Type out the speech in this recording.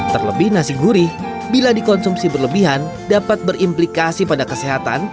terlebih nasi gurih bila dikonsumsi berlebihan dapat berimplikasi pada kesehatan